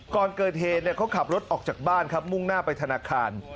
ก่อนเกิดเหตุเขาขับรถออกจากบ้านครับมุ่งหน้าไปธนาคาร